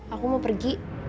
aku mau pergi